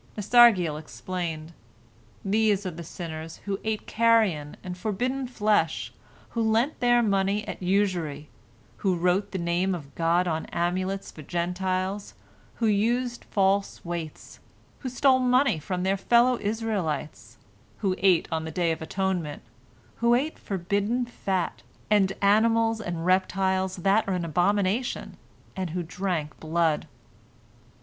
Nasargiel explained: "These are the sinners who ate carrion and forbidden flesh, who lent their money at usury, who wrote the Name of God on amulets for Gentiles, who used false weights, who stole money from their fellow Israelites, who ate on the Day of Atonement, who ate forbidden fat, and animals and reptiles that are an abomination, and who drank blood."